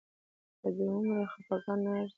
په دومره خپګان نه ارزي